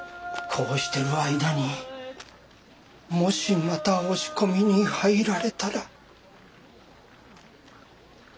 こうしてる間にもしまた押し込みに入られたら。